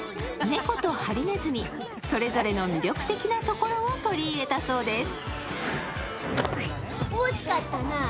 猫とハリネズミ、それぞれの魅力的なところを取り入れたそうです。